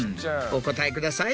お答えください。